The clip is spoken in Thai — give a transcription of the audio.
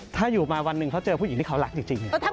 ถ้าอยู่มาวันหนึ่งเขาเจอผู้หญิงที่เขารักจริง